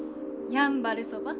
やんばるそば？